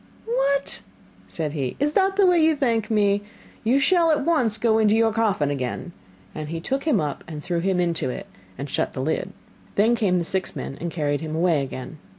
'What!' said he, 'is that the way you thank me? You shall at once go into your coffin again,' and he took him up, threw him into it, and shut the lid. Then came the six men and carried him away again.